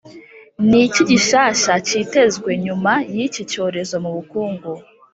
ni iki gishyashya kitezwe nyuma y’iki cyorezo mu bukungu?